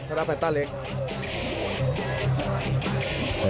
ธนาปันตาเล็ง